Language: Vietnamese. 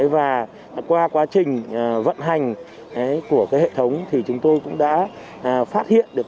và qua quá trình vận hành của hệ thống thì chúng tôi cũng đã phát hiện được